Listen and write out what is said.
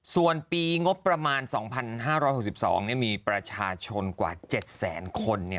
ส่วนปีงบประมาณ๒๕๖๒มีประชาชนกว่า๗แสนคน